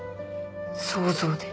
想像で？